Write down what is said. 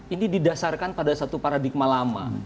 ini didasarkan pada satu paradigma lama